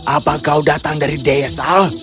apa kau datang dari desa